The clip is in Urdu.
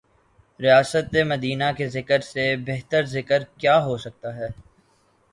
ریاست مدینہ کے ذکر سے بہترذکر کیا ہوسکتاہے۔